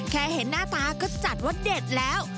แค่เห็นหน้าตาก็จัดว่าเด็ดแล้ว